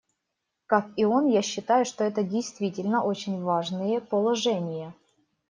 Как и он, я считаю, что это действительно очень важные положения.